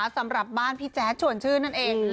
สำหรับบ้านพี่แจ๊ดชวนชื่นนั่นเอง